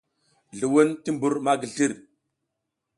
Zluwun ti mbur ma slir.